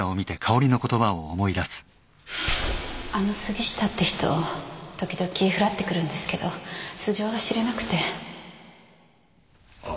あの杉下って人時々ふらって来るんですけど素性が知れなくてああ。